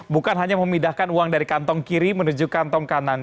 bukan hanya memindahkan uang dari kantong kiri menuju kantong kanan